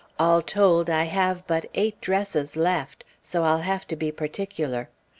All told, I have but eight dresses left; so I'll have to be particular.